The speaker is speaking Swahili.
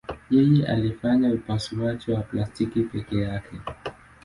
Yeye alifanya upasuaji wa plastiki peke yake.